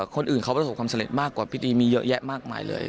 คนอื่นเขาประสบความสำเร็จมากกว่าพิธีมีเยอะแยะมากมายเลย